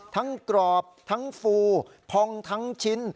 กรอบทั้งฟูพองทั้งชิ้น